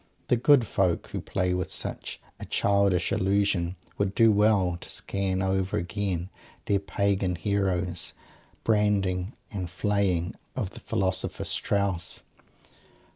The good folk who play with such a childish illusion would do well to scan over again their "pagan" hero's branding and flaying of the philosopher Strauss.